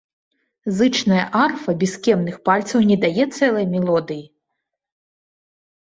Зычная арфа без кемных пальцаў не дае цэлай мелодыі.